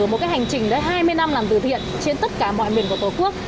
một cái hành trình hai mươi năm làm từ thiện trên tất cả mọi miền của tổ quốc